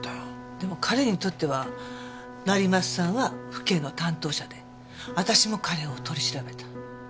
でも彼にとっては成増さんは府警の担当者で私も彼を取り調べた。